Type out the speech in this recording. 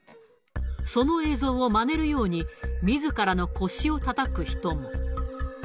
その映像をまねるように、みずからの腰をたたく人も。